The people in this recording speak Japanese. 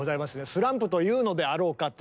スランプというのであろうかっていうね。